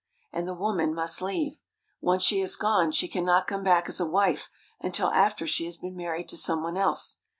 and the woman must leave. Once she has gone she cannot come back as a wife until after she has been married to someone else.